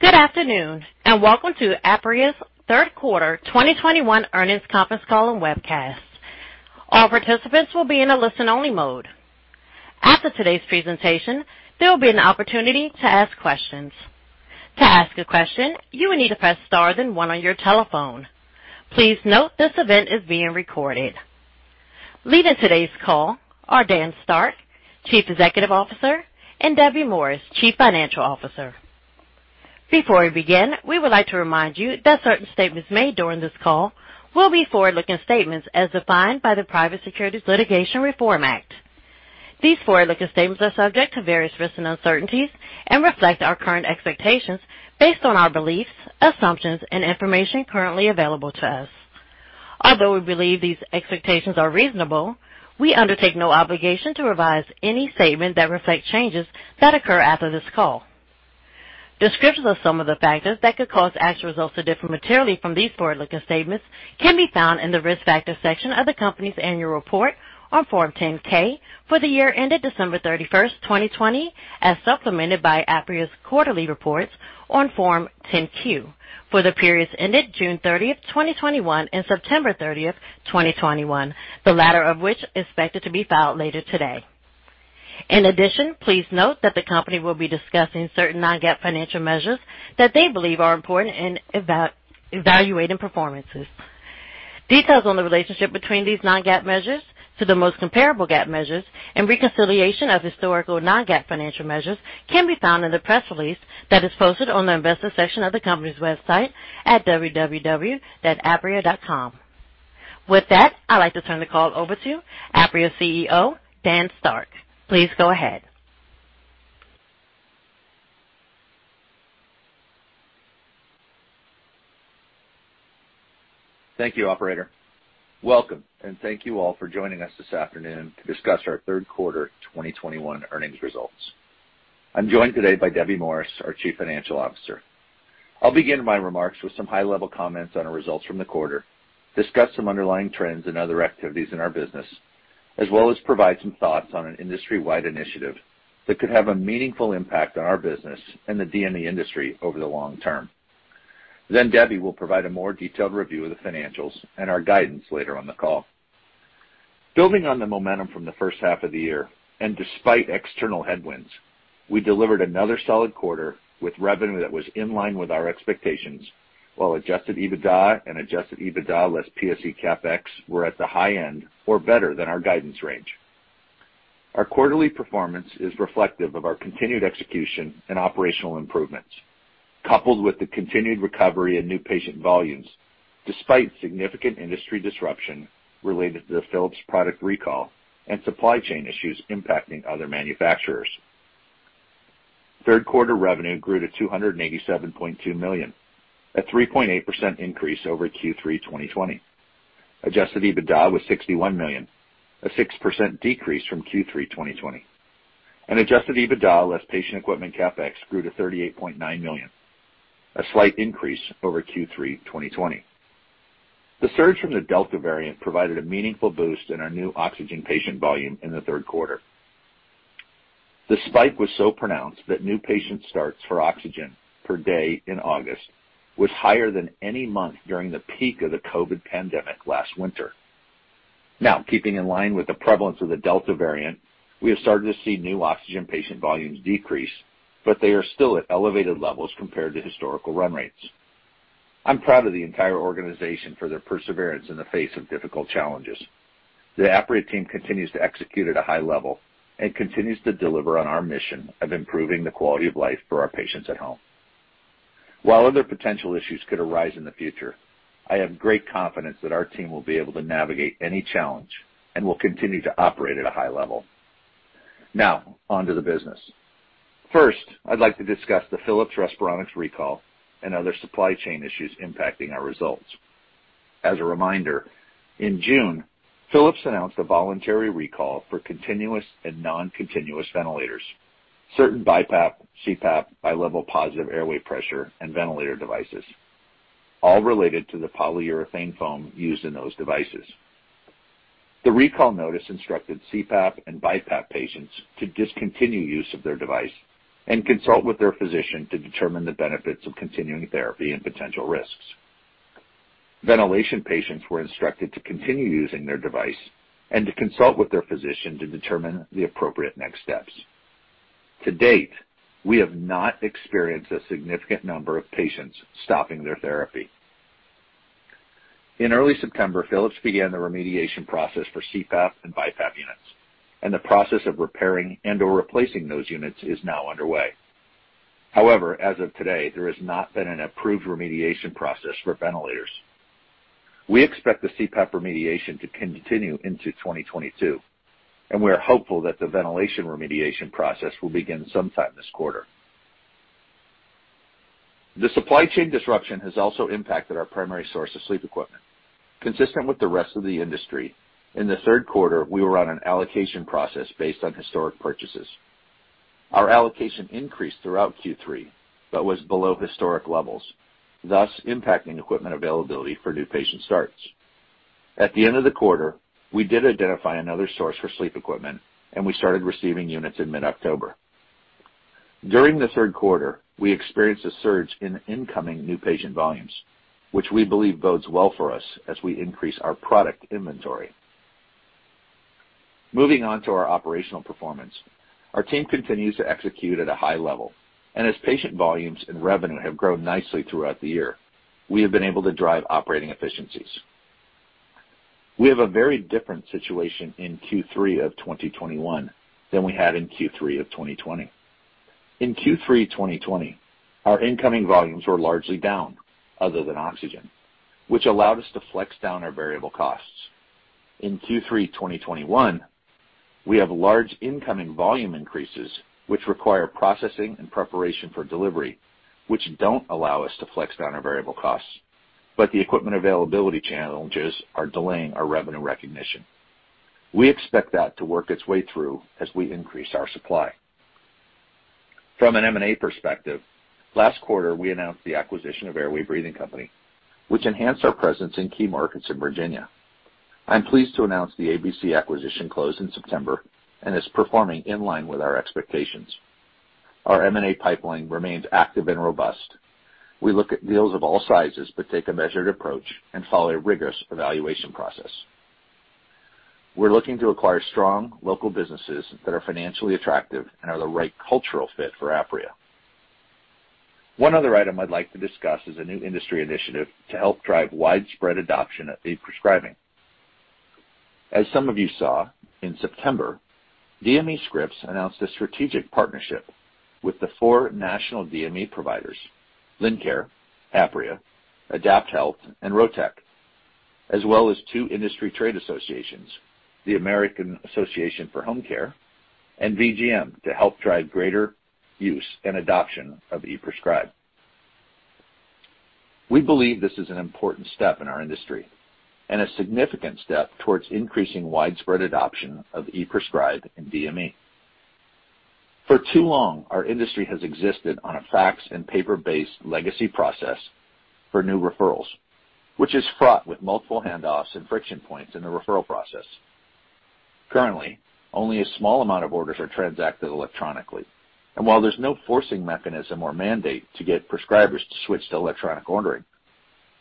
Good afternoon, and welcome to Apria's third quarter 2021 earnings conference call and webcast. All participants will be in a listen-only mode. After today's presentation, there will be an opportunity to ask questions. To ask a question, you will need to press star then 1 on your telephone. Please note this event is being recorded. Leading today's call are Dan Starck, Chief Executive Officer, and Debby Morris, Chief Financial Officer. Before we begin, we would like to remind you that certain statements made during this call will be forward-looking statements as defined by the Private Securities Litigation Reform Act. These forward-looking statements are subject to various risks and uncertainties and reflect our current expectations based on our beliefs, assumptions, and information currently available to us. Although we believe these expectations are reasonable, we undertake no obligation to revise any statement that reflects changes that occur after this call. Descriptions of some of the factors that could cause actual results to differ materially from these forward-looking statements can be found in the Risk Factors section of the company's annual report on Form 10-K for the year ended December 31, 2020, as supplemented by Apria's quarterly reports on Form 10-Q for the periods ended June 30, 2021, and September 30, 2021, the latter of which is expected to be filed later today. In addition, please note that the company will be discussing certain non-GAAP financial measures that they believe are important in evaluating performances. Details on the relationship between these non-GAAP measures to the most comparable GAAP measures and reconciliation of historical non-GAAP financial measures can be found in the press release that is posted on the investor section of the company's website at www.apria.com. With that, I'd like to turn the call over to Apria CEO, Dan Starck. Please go ahead. Thank you, operator. Welcome, and thank you all for joining us this afternoon to discuss our third quarter 2021 earnings results. I'm joined today by Debby Morris, our Chief Financial Officer. I'll begin my remarks with some high-level comments on our results from the quarter, discuss some underlying trends and other activities in our business, as well as provide some thoughts on an industry-wide initiative that could have a meaningful impact on our business and the DME industry over the long term. Then Debby will provide a more detailed review of the financials and our guidance later on the call. Building on the momentum from the first half of the year, and despite external headwinds, we delivered another solid quarter with revenue that was in line with our expectations, while adjusted EBITDA and adjusted EBITDA less PSE CapEx were at the high end or better than our guidance range. Our quarterly performance is reflective of our continued execution and operational improvements, coupled with the continued recovery in new patient volumes despite significant industry disruption related to the Philips product recall and supply chain issues impacting other manufacturers. Third quarter revenue grew to $287.2 million, a 3.8% increase over Q3 2020. Adjusted EBITDA was $61 million, a 6% decrease from Q3 2020. Adjusted EBITDA less patient equipment CapEx grew to $38.9 million, a slight increase over Q3 2020. The surge from the Delta variant provided a meaningful boost in our new oxygen patient volume in the third quarter. The spike was so pronounced that new patient starts for oxygen per day in August was higher than any month during the peak of the COVID pandemic last winter. Now, keeping in line with the prevalence of the Delta variant, we have started to see new oxygen patient volumes decrease, but they are still at elevated levels compared to historical run rates. I'm proud of the entire organization for their perseverance in the face of difficult challenges. The Apria team continues to execute at a high level and continues to deliver on our mission of improving the quality of life for our patients at home. While other potential issues could arise in the future, I have great confidence that our team will be able to navigate any challenge and will continue to operate at a high level. Now, on to the business. First, I'd like to discuss the Philips Respironics recall and other supply chain issues impacting our results. As a reminder, in June, Philips announced a voluntary recall for continuous and non-continuous ventilators, certain BiPAP, CPAP, bilevel positive airway pressure, and ventilator devices, all related to the polyurethane foam used in those devices. The recall notice instructed CPAP and BiPAP patients to discontinue use of their device and consult with their physician to determine the benefits of continuing therapy and potential risks. Ventilation patients were instructed to continue using their device and to consult with their physician to determine the appropriate next steps. To date, we have not experienced a significant number of patients stopping their therapy. In early September, Philips began the remediation process for CPAP and BiPAP units, and the process of repairing and/or replacing those units is now underway. However, as of today, there has not been an approved remediation process for ventilators. We expect the CPAP remediation to continue into 2022, and we are hopeful that the ventilation remediation process will begin sometime this quarter. The supply chain disruption has also impacted our primary source of sleep equipment. Consistent with the rest of the industry, in the third quarter, we were on an allocation process based on historic purchases. Our allocation increased throughout Q3, but was below historic levels, thus impacting equipment availability for new patient starts. At the end of the quarter, we did identify another source for sleep equipment, and we started receiving units in mid-October. During the third quarter, we experienced a surge in incoming new patient volumes, which we believe bodes well for us as we increase our product inventory. Moving on to our operational performance. Our team continues to execute at a high level, and as patient volumes and revenue have grown nicely throughout the year, we have been able to drive operating efficiencies. We have a very different situation in Q3 of 2021 than we had in Q3 of 2020. In Q3 2020, our incoming volumes were largely down, other than oxygen, which allowed us to flex down our variable costs. In Q3 2021, we have large incoming volume increases, which require processing and preparation for delivery, which don't allow us to flex down our variable costs, but the equipment availability challenges are delaying our revenue recognition. We expect that to work its way through as we increase our supply. From an M&A perspective, last quarter, we announced the acquisition of Airway Breathing Co., which enhanced our presence in key markets in Virginia. I'm pleased to announce the ABC acquisition closed in September and is performing in line with our expectations. Our M&A pipeline remains active and robust. We look at deals of all sizes, but take a measured approach and follow a rigorous evaluation process. We're looking to acquire strong local businesses that are financially attractive and are the right cultural fit for Apria. One other item I'd like to discuss is a new industry initiative to help drive widespread adoption of e-prescribing. As some of you saw, in September, DMEscripts announced a strategic partnership with the four national DME providers, Lincare, Apria, AdaptHealth, and Rotech, as well as two industry trade associations, the American Association for Homecare and VGM, to help drive greater use and adoption of e-prescribing. We believe this is an important step in our industry and a significant step towards increasing widespread adoption of e-Prescribe in DME. For too long, our industry has existed on a fax and paper-based legacy process for new referrals, which is fraught with multiple handoffs and friction points in the referral process. Currently, only a small amount of orders are transacted electronically, and while there's no forcing mechanism or mandate to get prescribers to switch to electronic ordering,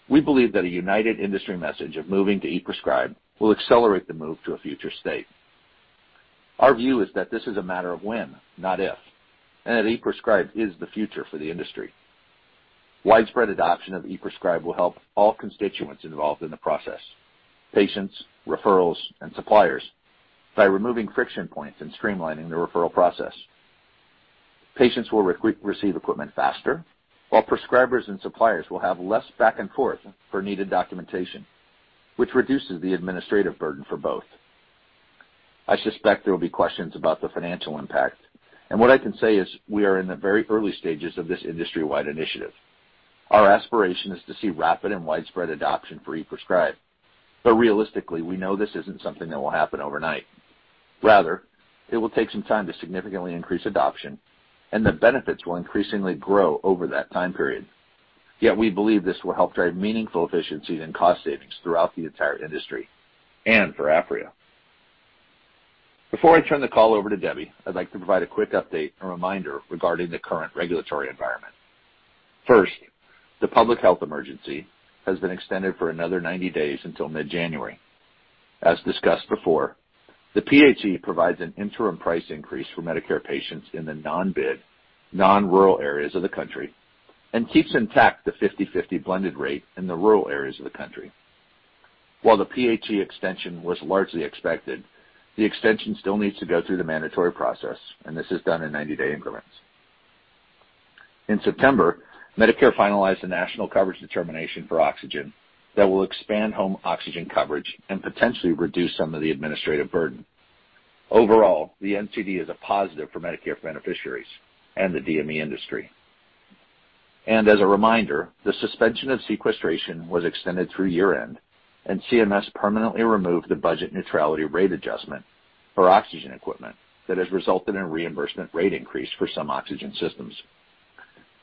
we believe that a united industry message of moving to e-Prescribe will accelerate the move to a future state. Our view is that this is a matter of when, not if, and that e-Prescribe is the future for the industry. Widespread adoption of e-Prescribe will help all constituents involved in the process, patients, referrals, and suppliers by removing friction points and streamlining the referral process. Patients will receive equipment faster, while prescribers and suppliers will have less back and forth for needed documentation, which reduces the administrative burden for both. I suspect there will be questions about the financial impact, and what I can say is we are in the very early stages of this industry-wide initiative. Our aspiration is to see rapid and widespread adoption for e-Prescribe, but realistically, we know this isn't something that will happen overnight. Rather, it will take some time to significantly increase adoption, and the benefits will increasingly grow over that time period. Yet we believe this will help drive meaningful efficiencies and cost savings throughout the entire industry and for Apria. Before I turn the call over to Debby, I'd like to provide a quick update and reminder regarding the current regulatory environment. First, the public health emergency has been extended for another 90 days until mid-January. As discussed before, the PHE provides an interim price increase for Medicare patients in the non-bid, non-rural areas of the country and keeps intact the 50/50 blended rate in the rural areas of the country. While the PHE extension was largely expected, the extension still needs to go through the mandatory process, and this is done in 90-day increments. In September, Medicare finalized the national coverage determination for oxygen that will expand home oxygen coverage and potentially reduce some of the administrative burden. Overall, the NCD is a positive for Medicare beneficiaries and the DME industry. As a reminder, the suspension of sequestration was extended through year-end, and CMS permanently removed the budget neutrality rate adjustment for oxygen equipment that has resulted in reimbursement rate increase for some oxygen systems.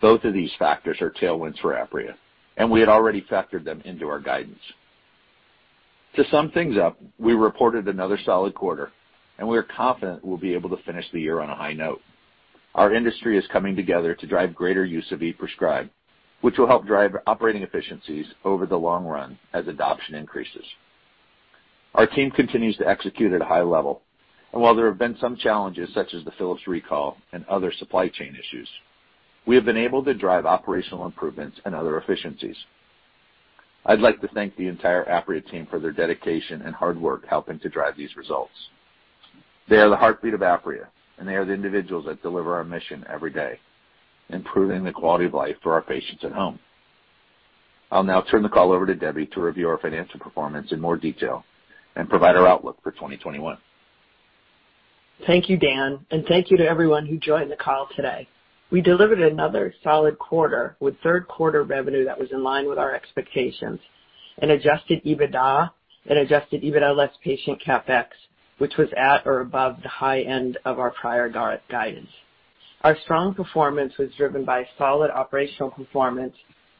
Both of these factors are tailwinds for Apria, and we had already factored them into our guidance. To sum things up, we reported another solid quarter, and we are confident we'll be able to finish the year on a high note. Our industry is coming together to drive greater use of ePrescribe, which will help drive operating efficiencies over the long run as adoption increases. Our team continues to execute at a high level, and while there have been some challenges such as the Philips recall and other supply chain issues, we have been able to drive operational improvements and other efficiencies. I'd like to thank the entire Apria team for their dedication and hard work helping to drive these results. They are the heartbeat of Apria, and they are the individuals that deliver our mission every day, improving the quality of life for our patients at home. I'll now turn the call over to Debby to review our financial performance in more detail and provide our outlook for 2021. Thank you, Dan, and thank you to everyone who joined the call today. We delivered another solid quarter with third quarter revenue that was in line with our expectations and adjusted EBITDA and adjusted EBITDA less patient CapEx, which was at or above the high end of our prior guidance. Our strong performance was driven by solid operational performance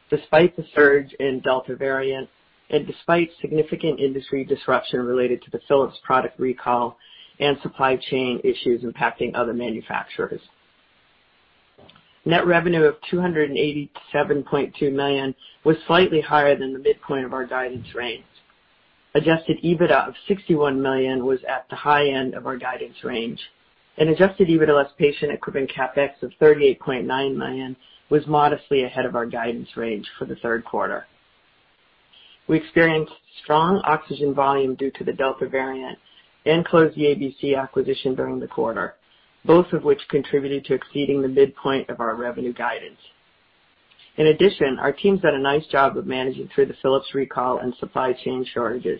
despite the surge in Delta variant and despite significant industry disruption related to the Philips product recall and supply chain issues impacting other manufacturers. Net revenue of $287.2 million was slightly higher than the midpoint of our guidance range. Adjusted EBITDA of $61 million was at the high end of our guidance range, and adjusted EBITDA less patient equipment CapEx of $38.9 million was modestly ahead of our guidance range for the third quarter. We experienced strong oxygen volume due to the Delta variant and closed the ABC acquisition during the quarter, both of which contributed to exceeding the midpoint of our revenue guidance. In addition, our teams did a nice job of managing through the Philips recall and supply chain shortages.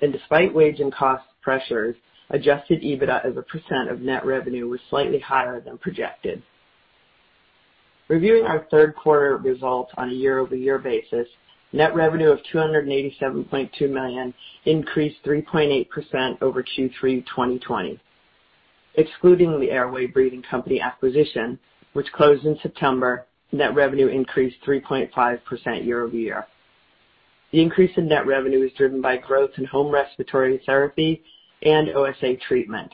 Despite wage and cost pressures, adjusted EBITDA as a percent of net revenue was slightly higher than projected. Reviewing our third quarter results on a year-over-year basis, net revenue of $287.2 million increased 3.8% over Q3 2020. Excluding the Airway Breathing Co. acquisition, which closed in September, net revenue increased 3.5% year-over-year. The increase in net revenue was driven by growth in Home Respiratory Therapy and OSA Treatment.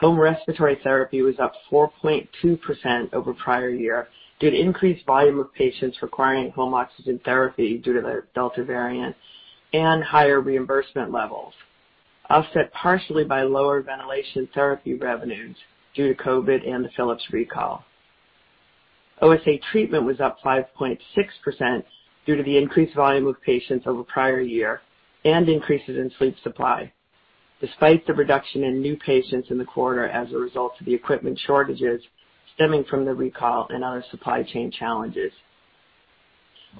Home Respiratory Therapy was up 4.2% over prior year due to increased volume of patients requiring home oxygen therapy due to the Delta variant and higher reimbursement levels, offset partially by lower Ventilation Therapy revenues due to COVID and the Philips recall. OSA Treatment was up 5.6% due to the increased volume of patients over prior year and increases in sleep supply, despite the reduction in new patients in the quarter as a result of the equipment shortages stemming from the recall and other supply chain challenges.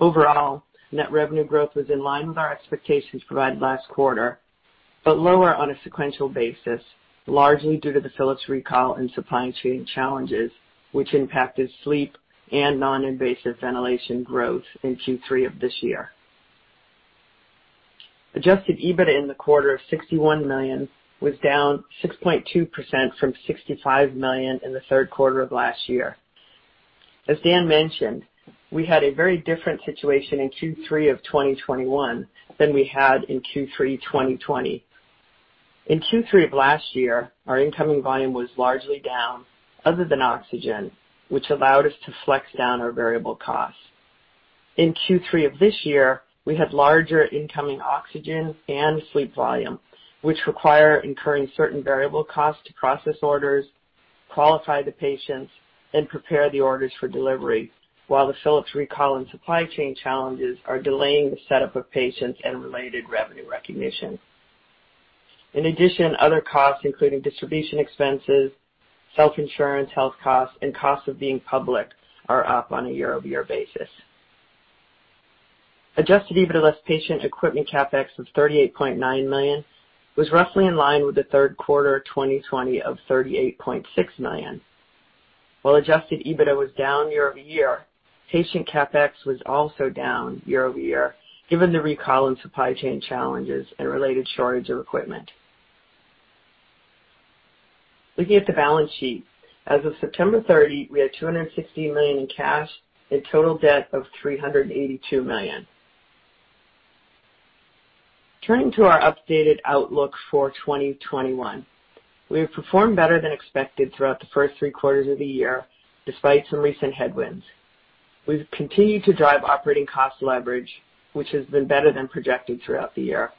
Overall, net revenue growth was in line with our expectations provided last quarter, but lower on a sequential basis, largely due to the Philips recall and supply chain challenges, which impacted sleep and non-invasive ventilation growth in Q3 of this year. Adjusted EBITDA in the quarter of $61 million was down 6.2% from $65 million in the third quarter of last year. As Dan mentioned, we had a very different situation in Q3 of 2021 than we had in Q3 2020. In Q3 of last year, our incoming volume was largely down other than oxygen, which allowed us to flex down our variable costs. In Q3 of this year, we had larger incoming oxygen and sleep volume, which require incurring certain variable costs to process orders, qualify the patients, and prepare the orders for delivery, while the Philips recall and supply chain challenges are delaying the setup of patients and related revenue recognition. In addition, other costs including distribution expenses, self-insurance, health costs, and costs of being public are up on a year-over-year basis. Adjusted EBITDA less patient equipment CapEx of $38.9 million was roughly in line with the third quarter 2020 of $38.6 million. While adjusted EBITDA was down year-over-year, patient CapEx was also down year-over-year, given the recall and supply chain challenges and related shortage of equipment. Looking at the balance sheet, as of September 30, we had $260 million in cash and total debt of $382 million. Turning to our updated outlook for 2021, we have performed better than expected throughout the first three quarters of the year, despite some recent headwinds. We've continued to drive operating cost leverage, which has been better than projected throughout the year.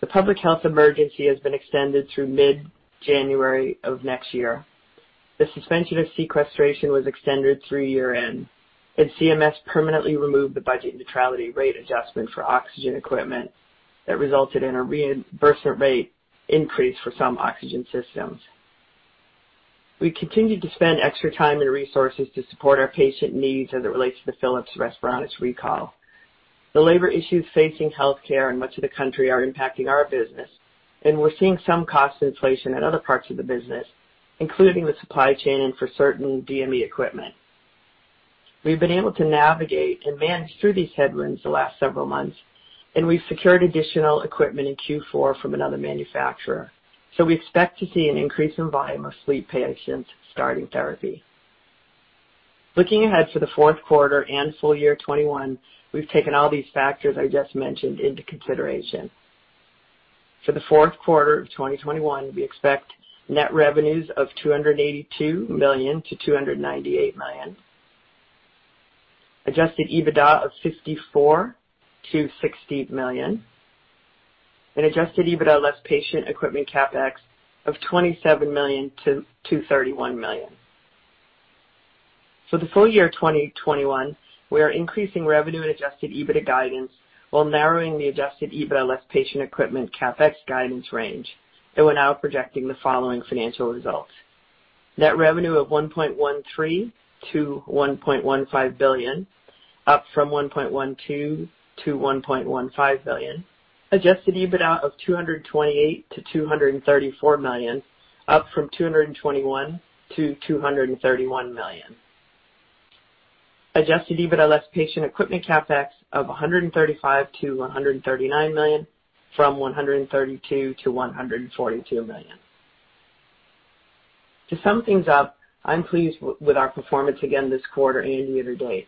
The public health emergency has been extended through mid-January of next year. The suspension of sequestration was extended through year-end, and CMS permanently removed the budget neutrality rate adjustment for oxygen equipment that resulted in a reimbursement rate increase for some oxygen systems. We continued to spend extra time and resources to support our patient needs as it relates to the Philips Respironics recall. The labor issues facing healthcare in much of the country are impacting our business, and we're seeing some cost inflation in other parts of the business, including the supply chain and for certain DME equipment. We've been able to navigate and manage through these headwinds the last several months, and we've secured additional equipment in Q4 from another manufacturer. We expect to see an increase in volume of sleep patients starting therapy. Looking ahead to the fourth quarter and full year 2021, we've taken all these factors I just mentioned into consideration. For the fourth quarter of 2021, we expect net revenues of $282 million-$298 million, adjusted EBITDA of $54 million-$60 million, and adjusted EBITDA less patient equipment CapEx of $27 million-$31 million. For the full year 2021, we are increasing revenue and adjusted EBITDA guidance while narrowing the adjusted EBITDA less patient equipment CapEx guidance range, and we're now projecting the following financial results. Net revenue of $1.13 billion-$1.15 billion, up from $1.12 billion-$1.15 billion. Adjusted EBITDA of $228 million-$234 million, up from $221 million-$231 million. Adjusted EBITDA less patient equipment CapEx of $135 million-$139 million from $132 million-$142 million. To sum things up, I'm pleased with our performance again this quarter and year to date.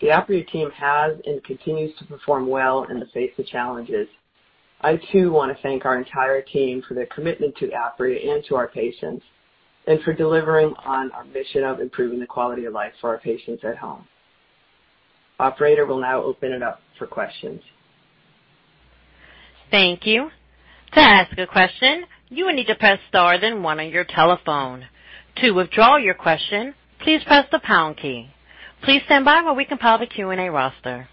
The Apria team has and continues to perform well in the face of challenges. I, too, want to thank our entire team for their commitment to Apria and to our patients, and for delivering on our mission of improving the quality of life for our patients at home. Operator, we'll now open it up for questions. Thank you. To ask a question, you will need to press Star then One on your telephone. To withdraw your question, please press the Pound key. Please stand by while we compile the Q&A roster.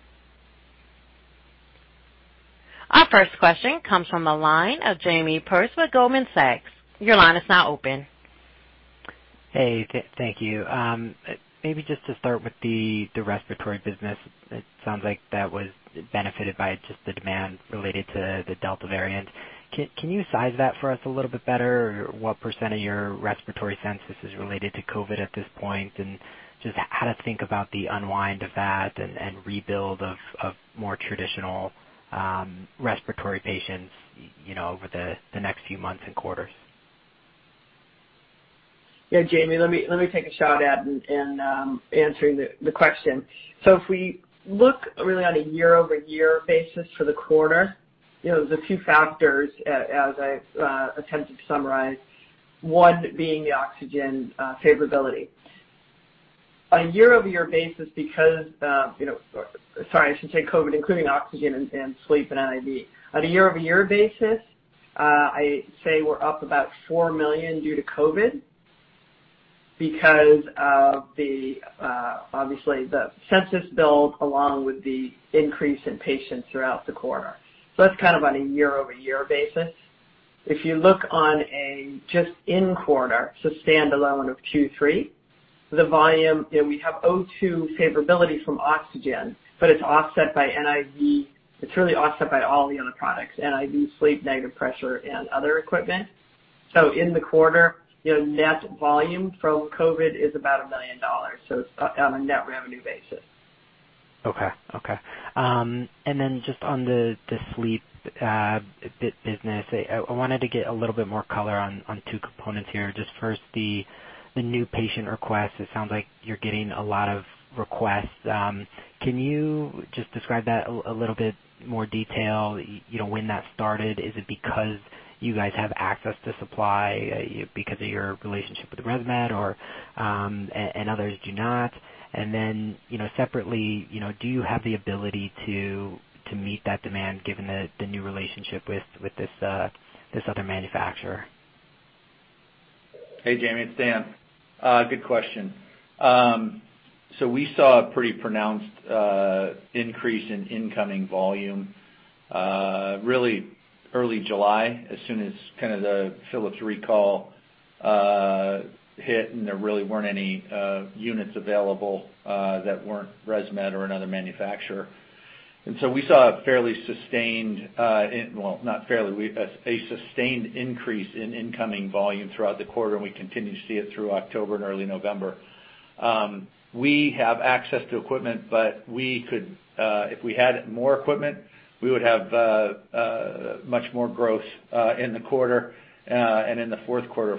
Our first question comes from the line of Jamie Perse with Goldman Sachs. Your line is now open. Hey, thank you. Maybe just to start with the respiratory business. It sounds like that was benefited by just the demand related to the Delta variant. Can you size that for us a little bit better? What % of your respiratory census is related to COVID at this point? Just how to think about the unwind of that and rebuild of more traditional respiratory patients, you know, over the next few months and quarters. Yeah, Jamie, let me take a shot at answering the question. If we look really on a year-over-year basis for the quarter, you know, the two factors as I've attempted to summarize, one being the oxygen favorability. On a year-over-year basis because, you know, sorry, I should say COVID, including oxygen and sleep and NIV. On a year-over-year basis, I say we're up about $4 million due to COVID because of the obviously the census build along with the increase in patients throughout the quarter. That's kind of on a year-over-year basis. If you look on a just in quarter, so stand-alone of Q3, the volume, you know, we have O2 favorability from oxygen, but it's offset by NIV. It's really offset by all the other products, NIV, sleep, negative pressure and other equipment. In the quarter, you know, net volume from COVID is about $1 million, so, on a net revenue basis. Just on the sleep business, I wanted to get a little bit more color on two components here. First, the new patient request. It sounds like you're getting a lot of requests. Can you just describe that in a little bit more detail, you know, when that started? Is it because you guys have access to supply because of your relationship with ResMed or and others do not? You know, separately, you know, do you have the ability to meet that demand given the new relationship with this other manufacturer? Hey, Jamie, it's Dan. Good question. We saw a pretty pronounced increase in incoming volume really early July, as soon as kind of the Philips recall hit, and there really weren't any units available that weren't ResMed or another manufacturer. We saw a sustained increase in incoming volume throughout the quarter, and we continue to see it through October and early November. We have access to equipment, but we could, if we had more equipment, we would have much more growth in the quarter and in the fourth quarter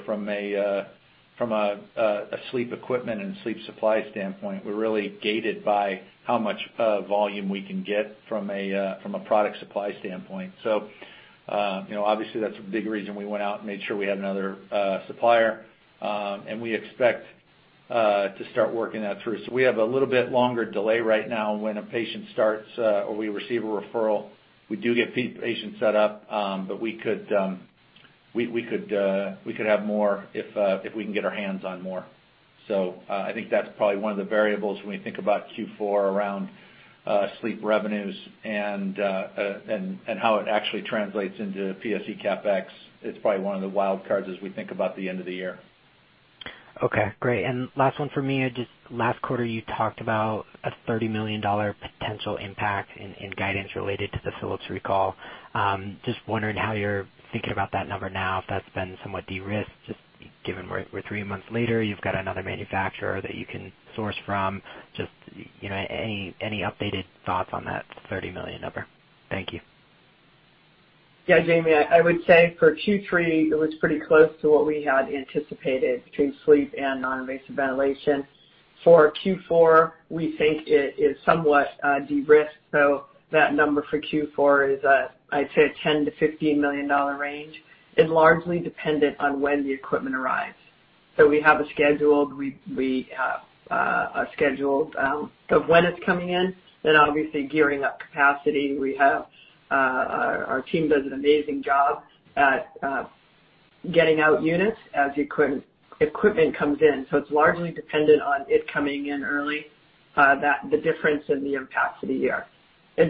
from a sleep equipment and sleep supply standpoint. We're really gated by how much volume we can get from a product supply standpoint. You know, obviously that's a big reason we went out and made sure we had another supplier, and we expect to start working that through. We have a little bit longer delay right now when a patient starts or we receive a referral. We do get patients set up, but we could have more if we can get our hands on more. I think that's probably one of the variables when we think about Q4 around sleep revenues and how it actually translates into PSE CapEx. It's probably one of the wild cards as we think about the end of the year. Okay, great. Last one for me. Just last quarter, you talked about a $30 million potential impact in guidance related to the Philips recall. Just wondering how you're thinking about that number now, if that's been somewhat de-risked, just given we're three months later, you've got another manufacturer that you can source from. Just, you know, any updated thoughts on that $30 million number? Thank you. Yeah, Jamie, I would say for Q3, it was pretty close to what we had anticipated between sleep and non-invasive ventilation. For Q4, we think it is somewhat de-risked. That number for Q4 is, I'd say a $10 million-$15 million range, and largely dependent on when the equipment arrives. We have a schedule of when it's coming in, then obviously gearing up capacity. We have our team does an amazing job at getting out units as equipment comes in. It's largely dependent on it coming in early, that the difference in the impact to the year.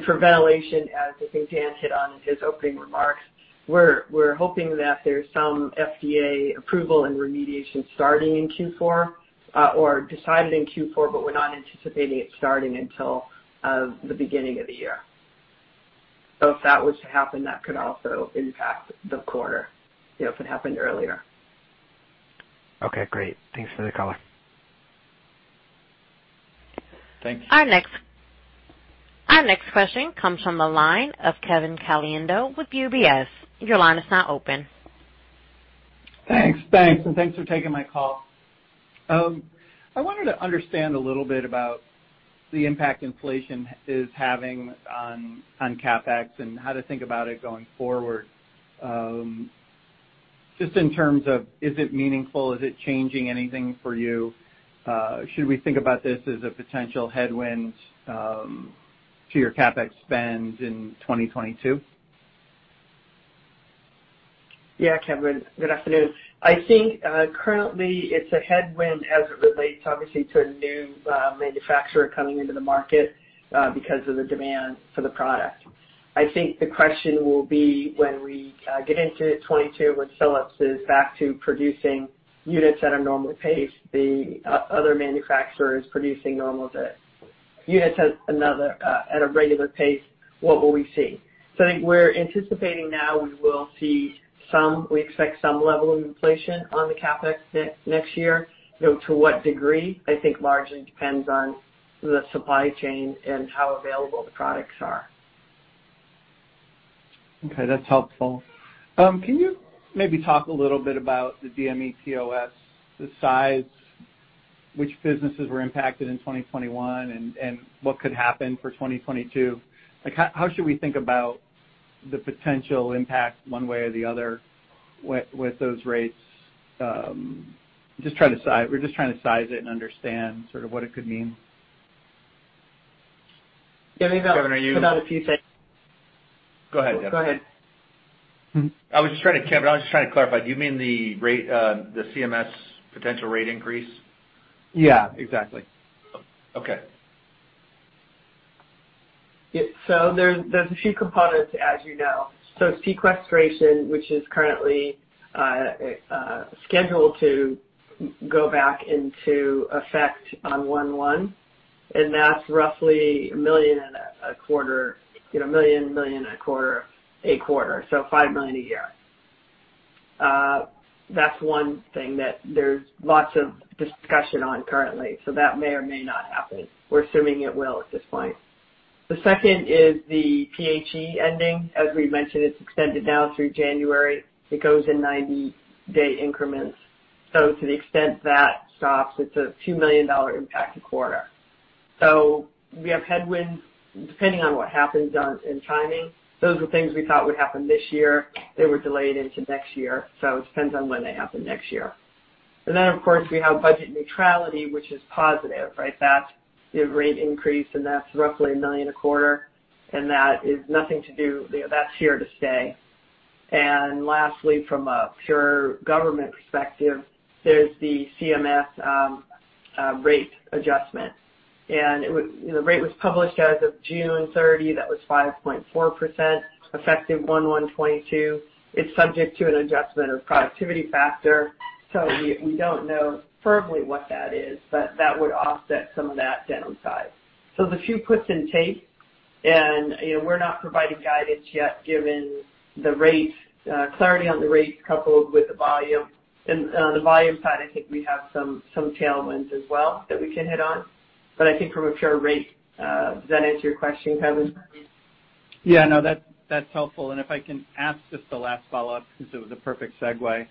For ventilation, as I think Dan hit on in his opening remarks, we're hoping that there's some FDA approval and remediation starting in Q4, or decided in Q4, but we're not anticipating it starting until the beginning of the year. If that was to happen, that could also impact the quarter, you know, if it happened earlier. Okay, great. Thanks for the color. Thanks. Our next question comes from the line of Kevin Caliendo with UBS. Your line is now open. Thanks for taking my call. I wanted to understand a little bit about the impact inflation is having on CapEx and how to think about it going forward. Just in terms of, is it meaningful? Is it changing anything for you? Should we think about this as a potential headwind to your CapEx spend in 2022? Yeah, Kevin. Good afternoon. I think currently it's a headwind as it relates obviously to a new manufacturer coming into the market because of the demand for the product. I think the question will be when we get into 2022, when Philips is back to producing units at a normal pace, the other manufacturer is producing units at a regular pace, what will we see? I think we're anticipating we will see some. We expect some level of inflation on the CapEx next year. You know, to what degree, I think largely depends on the supply chain and how available the products are. Okay, that's helpful. Can you maybe talk a little bit about the DMEPOS, the size, which businesses were impacted in 2021 and what could happen for 2022? Like, how should we think about the potential impact one way or the other with those rates? Just trying to size it and understand sort of what it could mean. Yeah, I think. Kevin, are you? There's about a few things. Go ahead, Deb. Go ahead. Kevin, I was just trying to clarify. Do you mean the rate, the CMS potential rate increase? Yeah, exactly. Okay. There's a few components as you know. Sequestration, which is currently scheduled to go back into effect on 01/01, and that's roughly $1.25 million a quarter, you know, so $5 million a year. That's one thing that there's lots of discussion on currently. That may or may not happen. We're assuming it will at this point. The second is the PHE ending. As we mentioned, it's extended now through January. It goes in 90-day increments. To the extent that stops, it's a $2 million impact a quarter. We have headwinds depending on what happens in timing. Those were things we thought would happen this year. They were delayed into next year, so it depends on when they happen next year. Of course, we have budget neutrality, which is positive, right? That's the rate increase, and that's roughly $1 million a quarter, and that has nothing to do. That's here to stay. Lastly, from a pure government perspective, there's the CMS rate adjustment. You know, the rate was published as of June 30. That was 5.4%, effective 01/01/2022. It's subject to an adjustment of productivity factor. We don't know firmly what that is, but that would offset some of that downside. There's a few puts and takes, you know, we're not providing guidance yet, given the rate clarity on the rate coupled with the volume. On the volume side, I think we have some tailwinds as well that we can hit on. I think from a pure rate... Does that answer your question, Kevin? Yeah, no, that's helpful. If I can ask just the last follow-up because it was the perfect segue.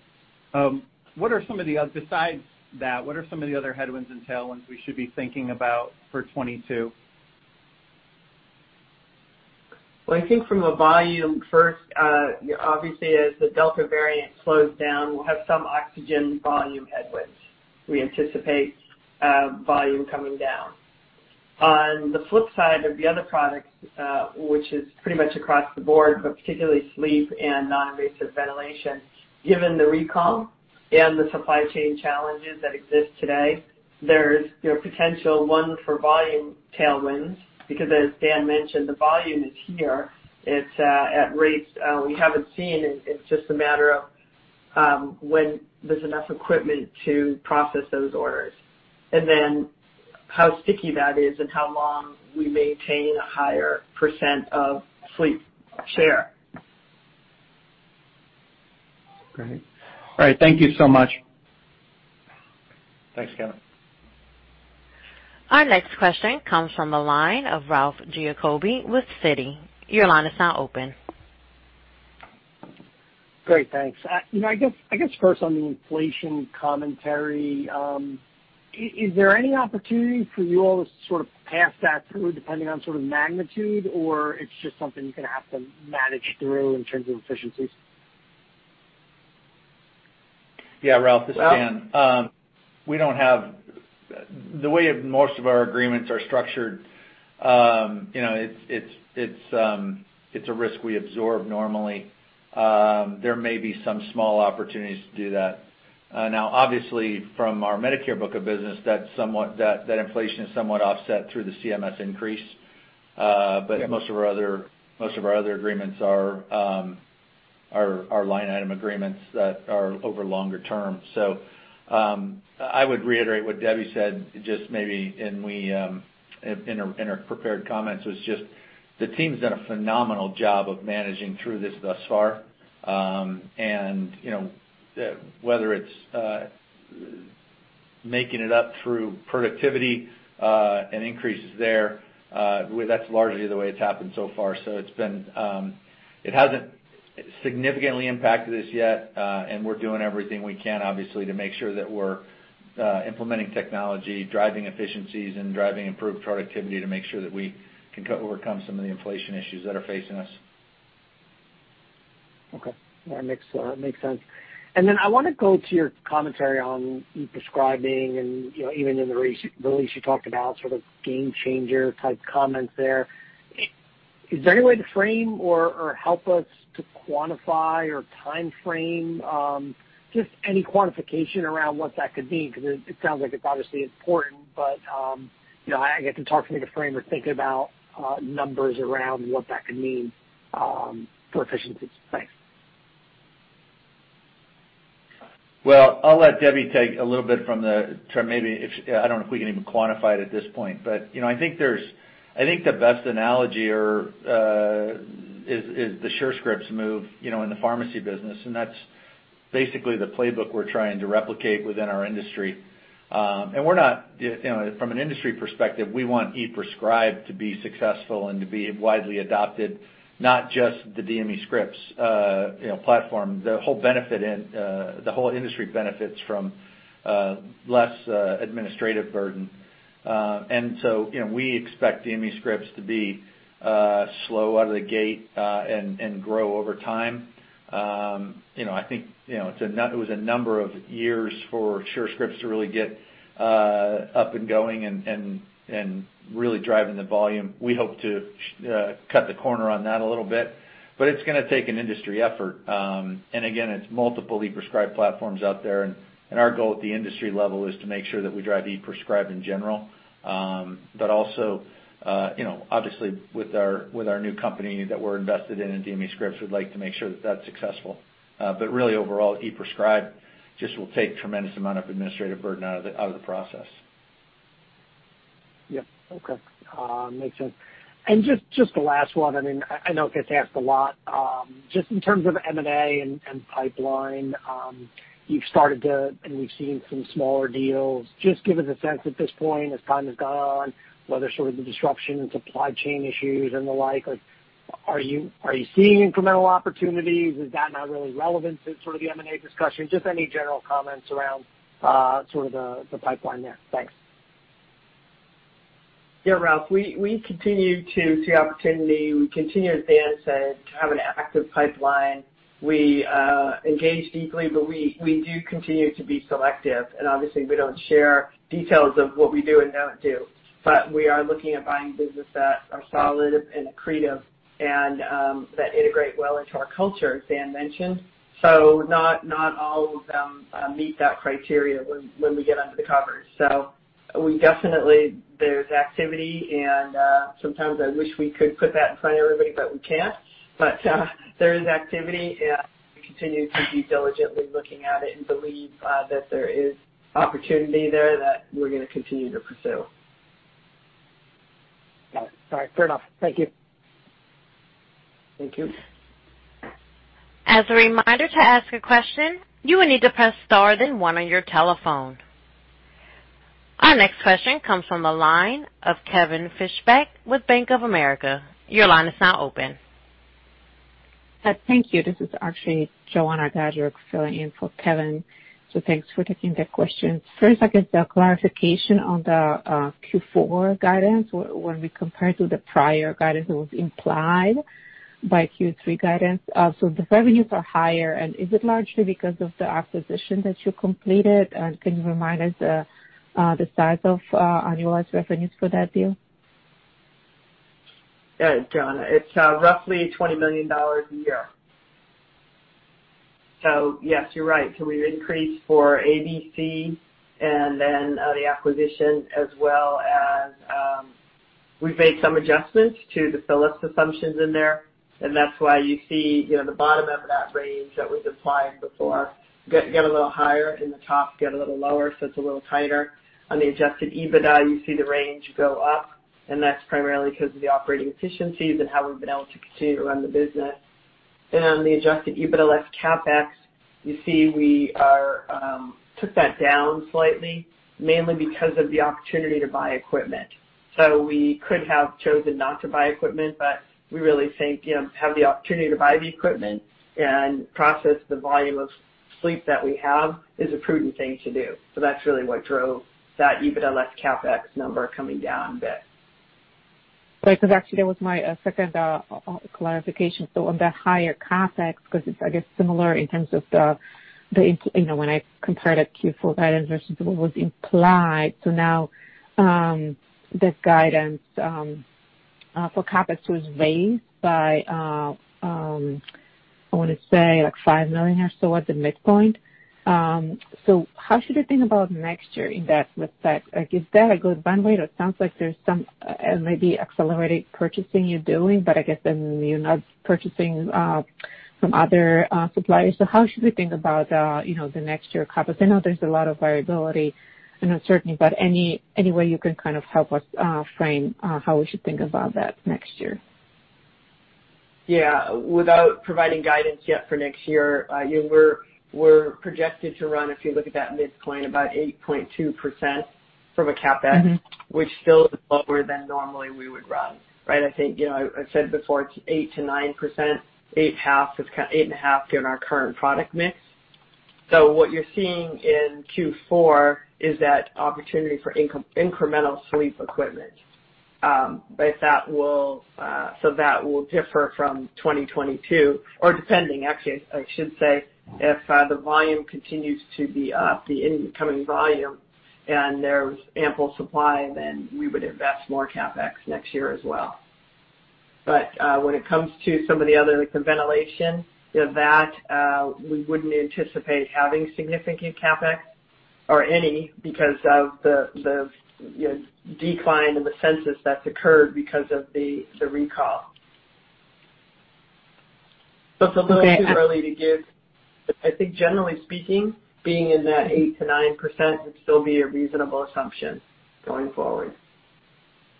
Besides that, what are some of the other headwinds and tailwinds we should be thinking about for 2022? Well, I think from a volume first, obviously as the Delta variant slows down, we'll have some oxygen volume headwinds. We anticipate volume coming down. On the flip side of the other products, which is pretty much across the board, but particularly sleep and non-invasive ventilation, given the recall and the supply chain challenges that exist today, there's, you know, potential for volume tailwinds, because as Dan mentioned, the volume is here. It's at rates we haven't seen. It's just a matter of when there's enough equipment to process those orders. How sticky that is and how long we maintain a higher % of sleep share. Great. All right. Thank you so much. Thanks, Kevin. Our next question comes from the line of Ralph Giacobbe with Citi. Your line is now open. Great. Thanks. You know, I guess first on the inflation commentary, is there any opportunity for you all to sort of pass that through depending on sort of magnitude or it's just something you're gonna have to manage through in terms of efficiencies? Yeah, Ralph, this is Dan. The way most of our agreements are structured, you know, it's a risk we absorb normally. There may be some small opportunities to do that. Now obviously from our Medicare book of business, that's somewhat. That inflation is somewhat offset through the CMS increase. But most of our other agreements are our line item agreements that are over longer term. I would reiterate what Debby said, just maybe in our prepared comments was just the team's done a phenomenal job of managing through this thus far. You know, whether it's making it up through productivity and increases there, that's largely the way it's happened so far. It's been, it hasn't significantly impacted us yet, and we're doing everything we can, obviously, to make sure that we're implementing technology, driving efficiencies, and driving improved productivity to make sure that we can overcome some of the inflation issues that are facing us. Okay. That makes sense. Then I wanna go to your commentary on e-prescribing and, you know, even in the release you talked about sort of game changer type comments there. Is there any way to frame or help us to quantify or timeframe just any quantification around what that could mean? Because it sounds like it's obviously important, but, you know, I guess it's hard for me to frame or think about numbers around what that could mean for efficiencies. Thanks. Well, I'll let Debby take a little bit. I don't know if we can even quantify it at this point. You know, I think the best analogy is the Surescripts move, you know, in the pharmacy business, and that's basically the playbook we're trying to replicate within our industry. We're not, you know, from an industry perspective, we want e-prescribe to be successful and to be widely adopted, not just the DMEscripts platform. The whole industry benefits from less administrative burden. You know, we expect DMEscripts to be slow out of the gate and grow over time. You know, I think, you know, it's a number of years for Surescripts to really get up and going and really driving the volume. We hope to cut the corner on that a little bit, but it's gonna take an industry effort. Again, it's multiple e-prescribe platforms out there, and our goal at the industry level is to make sure that we drive e-prescribe in general. Also, you know, obviously with our new company that we're invested in DMEscripts, we'd like to make sure that that's successful. Really overall, e-prescribe just will take tremendous amount of administrative burden out of the process. Yeah. Okay. Makes sense. Just the last one, I mean, I know it gets asked a lot. Just in terms of M&A and pipeline, you've started to, and we've seen some smaller deals. Just give us a sense at this point as time has gone on, whether sort of the disruption in supply chain issues and the like, are you seeing incremental opportunities? Is that not really relevant to sort of the M&A discussion? Just any general comments around, sort of the pipeline there. Thanks. Yeah, Ralph, we continue to see opportunity. We continue to advance and to have an active pipeline. We engage deeply, but we do continue to be selective, and obviously we don't share details of what we do and don't do. We are looking at buying business that are solid and accretive and that integrate well into our culture, as Dan mentioned. Not all of them meet that criteria when we get under the covers. We definitely, there's activity and sometimes I wish we could put that in front of everybody, but we can't. There is activity, and we continue to be diligently looking at it and believe that there is opportunity there that we're gonna continue to pursue. Got it. All right, fair enough. Thank you. Thank you. As a reminder to ask a question, you will need to press star then one on your telephone. Our next question comes from the line of Kevin Fischbeck with Bank of America. Your line is now open. Thank you. This is actually Joanna Gajuk filling in for Kevin, so thanks for taking the question. First, I guess the clarification on the Q4 guidance when we compare to the prior guidance that was implied by Q3 guidance. So the revenues are higher, and is it largely because of the acquisition that you completed? Can you remind us the size of annualized revenues for that deal? Yeah, Joanna, it's roughly $20 million a year. Yes, you're right. We've increased for ABC and then the acquisition as well as we've made some adjustments to the Philips assumptions in there, and that's why you see the bottom end of that range that was applied before get a little higher and the top get a little lower, it's a little tighter. On the adjusted EBITDA, you see the range go up, and that's primarily because of the operating efficiencies and how we've been able to continue to run the business. On the adjusted EBITDA less CapEx, you see we took that down slightly, mainly because of the opportunity to buy equipment. We could have chosen not to buy equipment, but we really think, you know, have the opportunity to buy the equipment and process the volume of sleep that we have is a prudent thing to do. That's really what drove that EBITDA less CapEx number coming down a bit. Right. Because actually that was my second clarification. On the higher CapEx, because it's, I guess, similar in terms of you know, when I compared it to Q4 guidance versus what was implied. Now the guidance for CapEx was raised by I wanna say like $5 million or so at the midpoint. How should I think about next year in that, with that? Like, is that a good bandwidth or it sounds like there's some maybe accelerated purchasing you're doing, but I guess then you're not purchasing From other suppliers. How should we think about the next year CapEx? I know there's a lot of variability and uncertainty, but any way you can kind of help us frame how we should think about that next year? Yeah. Without providing guidance yet for next year, you know, we're projected to run, if you look at that midpoint, about 8.2% from a CapEx. Mm-hmm. Which still is lower than normally we would run, right? I think I said before it's 8%-9%, 8.5% given our current product mix. What you're seeing in Q4 is that opportunity for incremental sleep equipment. That will differ from 2022 or depending. Actually, I should say if the volume continues to be up, the incoming volume, and there's ample supply, then we would invest more CapEx next year as well. When it comes to some of the other, like the ventilation, that we wouldn't anticipate having significant CapEx or any because of the decline in the census that's occurred because of the recall. It's a little too early to give. I think generally speaking, being in that 8%-9% would still be a reasonable assumption going forward.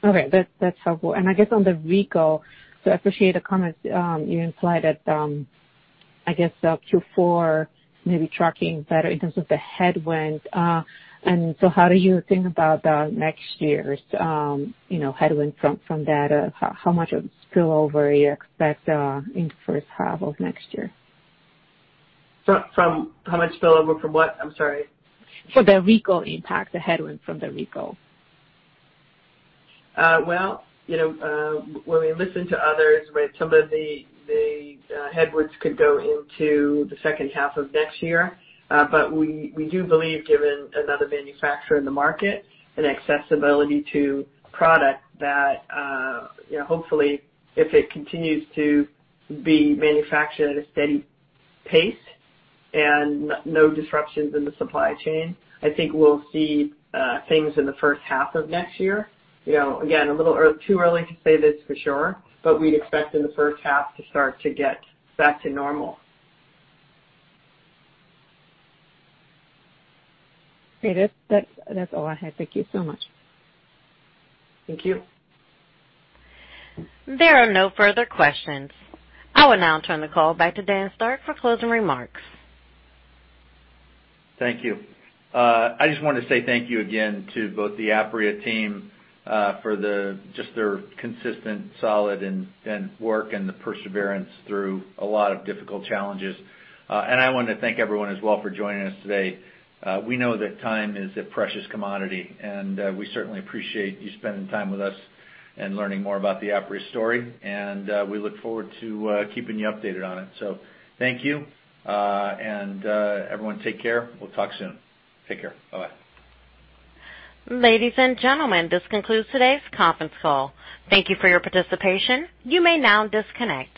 Okay. That's helpful. I guess on the recall, I appreciate the comments. You implied that Q4 maybe tracking better in terms of the headwind. How do you think about next year's, you know, headwind from that? How much spillover you expect in the first half of next year? How much spill over from what? I'm sorry. From the recall impact, the headwind from the recall. Well, you know, when we listen to others, when some of the headwind could go into the second half of next year, but we do believe given another manufacturer in the market and accessibility to product that, you know, hopefully if it continues to be manufactured at a steady pace and no disruptions in the supply chain, I think we'll see things in the first half of next year. You know, again, a little too early to say this for sure, but we'd expect in the first half to start to get back to normal. Okay. That's all I had. Thank you so much. Thank you. There are no further questions. I will now turn the call back to Dan Starck for closing remarks. Thank you. I just want to say thank you again to both the Apria team, just their consistent, solid and work and the perseverance through a lot of difficult challenges. I wanna thank everyone as well for joining us today. We know that time is a precious commodity, and we certainly appreciate you spending time with us and learning more about the Apria story, and we look forward to keeping you updated on it. Thank you, and everyone take care. We'll talk soon. Take care. Bye-bye. Ladies and gentlemen, this concludes today's conference call. Thank you for your participation. You may now disconnect.